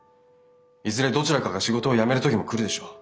いずれどちらかが仕事をやめる時も来るでしょう。